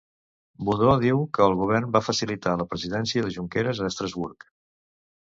Budó diu que el govern va facilitar la presència de Junqueras a Estrasburg.